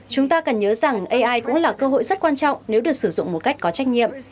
chúng ta cần nhớ rằng ai cũng là cơ hội rất quan trọng nếu được sử dụng một cách có trách nhiệm